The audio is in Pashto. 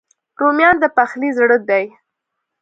رومیان د پخلي زړه دي